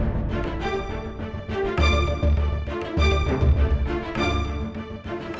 kita harus berhenti